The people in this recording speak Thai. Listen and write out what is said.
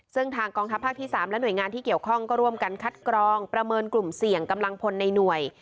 ซึ่งทางกองทัพภาคที่๓และหน่วยงานที่เกี่ยวข้องก็ร่วมกันคัดกรองประเมินกลุ่มเสี่ยงกำลังพลในหน่วย